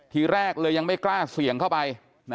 ทีแรกเลยยังไม่กล้าเสี่ยงเข้าไป